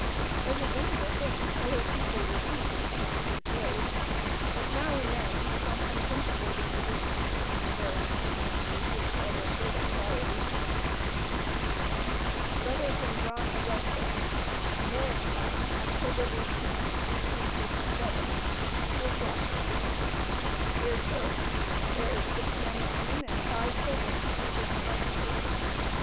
As a general thing, colored people were true to the fugitive slave; but now and then some unprincipled individuals, under various pretenses, would cause us great anxiety. LETTER FROM JOHN AUGUSTA. NORRISTOWN Oct 18th 1857 2 o'clock PM DEAR SIR: There is Six men and women and Five children making Eleven Persons.